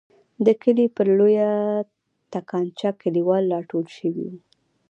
د کلي پر لویه تنګاچه کلیوال را ټول شوي وو.